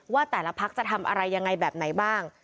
ว่าแต่ละพักจะทำอะไรยังไงแบบไหนบ้าง